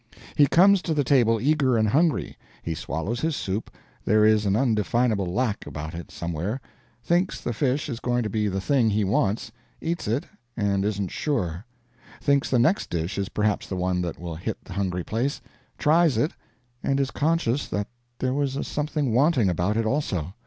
He comes to the table eager and hungry; he swallows his soup there is an undefinable lack about it somewhere; thinks the fish is going to be the thing he wants eats it and isn't sure; thinks the next dish is perhaps the one that will hit the hungry place tries it, and is conscious that there was a something wanting about it, also.